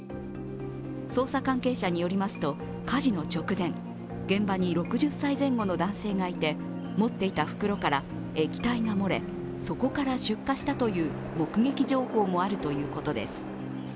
捜査関係者によりますと、火事の直前、現場に６０歳前後の男性がいて、持っていた袋から液体が漏れそこから出火したという目撃情報もあるということです。